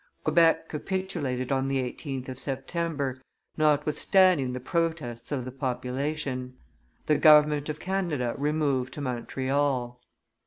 Quebec capitulated on the 18th of September, notwithstanding the protests of the population. The government of Canada removed to Montreal.